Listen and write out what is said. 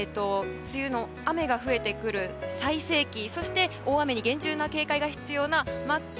雨が増えてくる最盛期そして、大雨に厳重な警戒が必要な末期。